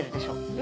え？